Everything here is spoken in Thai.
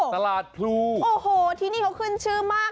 ตลาดพลูโอ้โหที่นี่เขาขึ้นชื่อมาก